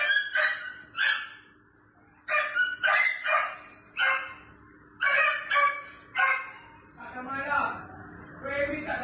กลับมาขอโทษหรอกลับมาขอโทษ